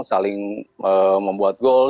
saling membuat gol